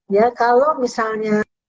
ya kalau misalnya